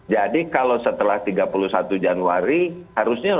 jadi kalau setelah tiga puluh satu januari